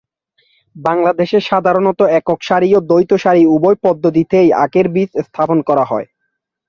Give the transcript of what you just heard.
বাংলাদেশে সাধারণত একক সারি ও দ্বৈত সারি উভয় পদ্ধতিতেই আখের বীজ স্থাপন করা হয়।